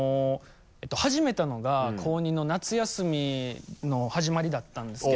始めたのが高２の夏休みの始まりだったんですけど。